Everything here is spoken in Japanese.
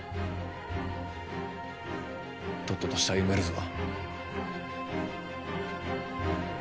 とっとと死体埋めるぞ。